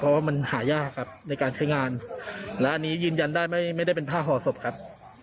เพราะว่ามันหายากครับในการใช้งานและอันนี้ยืนยันได้ไม่ได้เป็นผ้าห่อศพครับ